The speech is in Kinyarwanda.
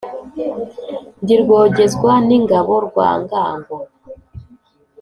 Ndi Rwogezwa n’ingabo rwa Ngango,